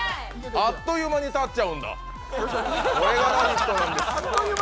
あっという間に立っちゃうんだ。